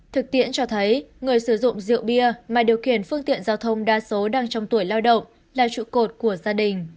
thực tiễn cho thấy người sử dụng rượu bia mà điều khiển phương tiện giao thông đa số đang trong tuổi lao động là trụ cột của gia đình